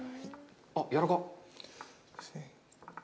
あっ、やわらか！